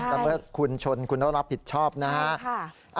แต่เมื่อคุณชนคุณต้องรับผิดชอบนะฮะ